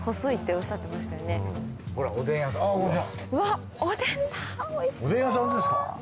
おでん屋さんですか？